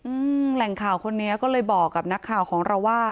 แหล่งข่าวคนนี้ก็เลยบอกกับนักข่าวของเราว่า